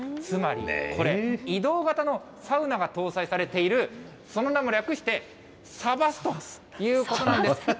つまり、これ、移動型のサウナが搭載されている、その名も略して、サバスということなんです。